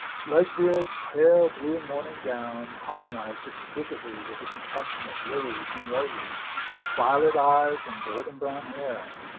Lesbia's pale blue morning gown harmonised exquisitely with a complexion of lilies and roses, violet eyes, and golden brown hair.